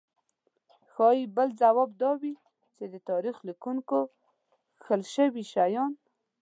ښايي بل ځواب دا وي چې د تاریخ لیکونکو کښل شوي شیان.